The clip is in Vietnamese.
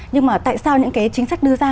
nhưng mà tại sao những chính sách đưa ra